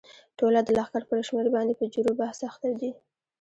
ټوله د لښکر پر شمېر باندې په جرو بحث اخته دي.